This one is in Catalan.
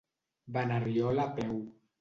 Va anar a Riola a peu.